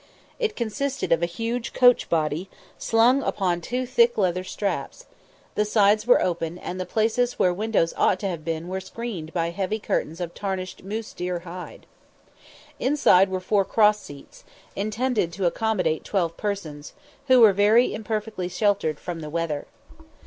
It consisted of a huge coach body, slung upon two thick leather straps; the sides were open, and the places where windows ought to have been were screened by heavy curtains of tarnished moose deer hide. Inside were four cross seats, intended to accommodate twelve persons, who were very imperfectly sheltered from the weather.